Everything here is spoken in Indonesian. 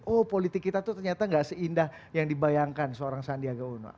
oh politik kita tuh ternyata gak seindah yang dibayangkan seorang sandiaga uno